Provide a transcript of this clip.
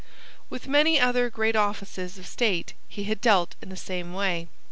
With many other great offices of state he had dealt in the same way.